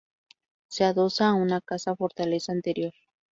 Se adosa a una casa-fortaleza anterior.